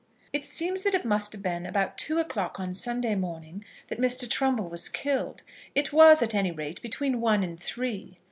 It seems that it must have been about two o'clock on Sunday morning that Mr. Trumbull was killed. It was, at any rate, between one and three.